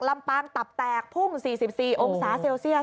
ลำปางตับแตกพุ่ง๔๔องศาเซลเซียส